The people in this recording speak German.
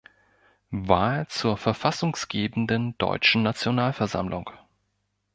Wahl zur verfassungsgebenden Deutschen Nationalversammlung.